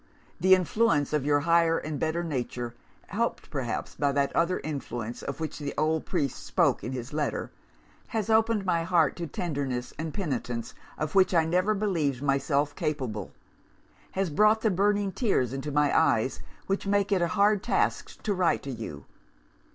The influence of your higher and better nature helped perhaps by that other influence of which the old priest spoke in his letter has opened my heart to tenderness and penitence of which I never believed myself capable: has brought the burning tears into my eyes which make it a hard task to write to you.